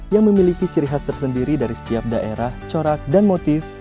yang memiliki ciri khas tersendiri dari setiap daerah corak dan motif